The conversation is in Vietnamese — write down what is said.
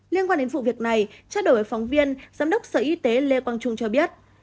liên quan đến vụ việc này trao đổi phóng viên giám đốc sở y tế lê quang trung cho biết